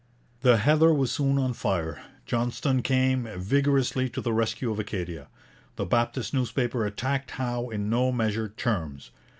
The heather was soon on fire. Johnston came vigorously to the rescue of Acadia. The Baptist newspaper attacked Howe in no measured terms.